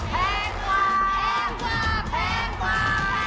แพงกว่า